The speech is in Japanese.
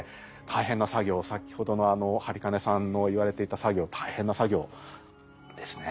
大変な作業を先ほどの播金さんの言われていた作業大変な作業ですね。